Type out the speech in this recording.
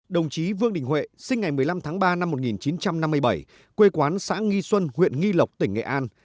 đồng chí vương đình huệ sinh ngày một mươi năm tháng ba năm một nghìn chín trăm năm mươi bảy quê quán xã nghi xuân huyện nghi lộc tỉnh nghệ an